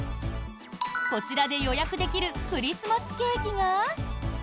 こちらで予約できるクリスマスケーキが。